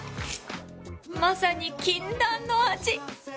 まさに禁断の味。